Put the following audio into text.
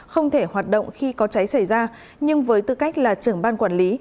không thể hoạt động khi có cháy xảy ra nhưng với tư cách là trưởng ban quản lý